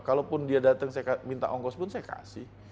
kalaupun dia datang saya minta ongkos pun saya kasih